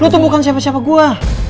lo tuh bukan siapa siapa gue